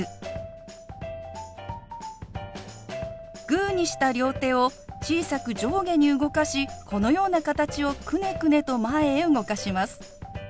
グーにした両手を小さく上下に動かしこのような形をくねくねと前へ動かします。